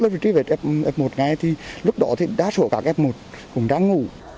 nếu truy vết cá cấp một ngay thì lúc đó thì đa số cá cấp một cũng đang ngủ